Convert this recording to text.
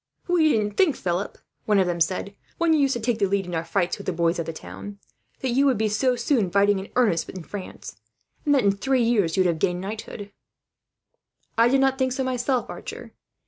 "We didn't think, Philip," one of them said, "when you used to take the lead in our fights with the boys of the town, that you would be so soon fighting in earnest, in France; and that in three years you would have gained knighthood." "I did not think so myself, Archer.